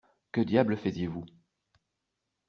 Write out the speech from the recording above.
Que diable faisiez-vous?